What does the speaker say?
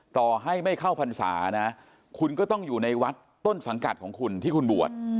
ต่อให้ไม่เข้าพรรษานะคุณก็ต้องอยู่ในวัดต้นสังกัดของคุณที่คุณบวช